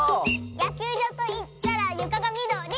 「やきゅうじょうといったらゆかがみどり！」